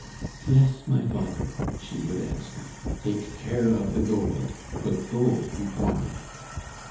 "Yes, my father," she would answer. "Take care of the gold put gold before me."